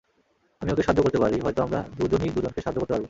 আমি ওকে সাহায্য করতে পারি, হয়তো আমরা দুজনই দুজনকে সাহায্য করতে পারব।